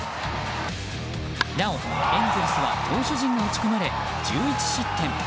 なお、エンゼルスは投手陣が打ち込まれ１１失点。